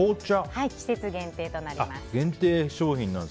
季節限定となります。